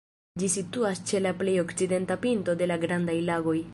Ĝi situas ĉe la plej okcidenta pinto de la Grandaj Lagoj.